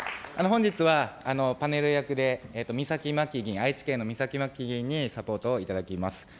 本日はパネル役で、岬麻紀議員、愛知県の岬麻紀議員にサポートをいただきます。